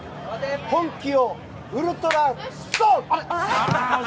本気のウルトラソウル！